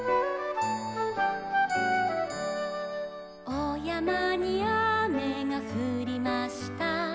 「おやまにあめがふりました」